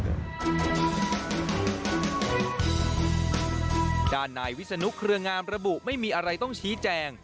ด้านนายวิศนุเครืองามระบุไม่มีอะไรต้องชี้แจง